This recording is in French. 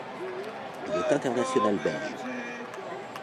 Il est international belge.